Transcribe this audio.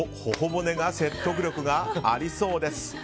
頬骨が説得力がありそうです。